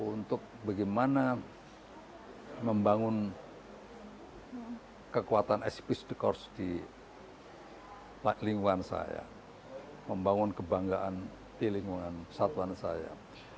untuk bagaimana membangun kekuatan spsdk di lingkungan saya membangun kebanggaan di lingkungan pesatuan saya